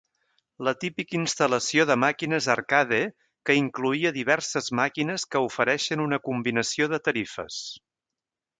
La típica instal·lació de màquines arcade que incloïa diverses màquines que ofereixen una combinació de tarifes.